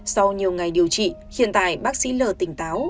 sau nhiều ngày điều trị hiện tại bác sĩ lờ tỉnh táo